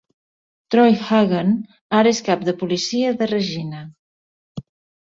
Troy Hagen ara es cap de policia de Regina.